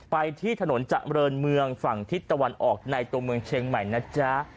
ไปที่ถนนเจริญเมืองฝั่งทิศตะวันออกในตัวเมืองเชียงใหม่นะจ๊ะ